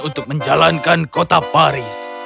untuk menjalankan kota paris